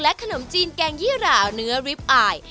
ขนมจีนแกงยี่หราเนื้อริปอาย